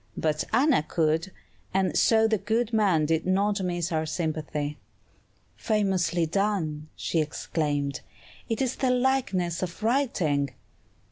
But Anna could, and so the good man did not miss our sympathy. "Famously done!" she exclaimed; "it is the likeness of writing."